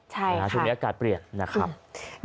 ช่วงนี้อากาศเปลี่ยนนะครับ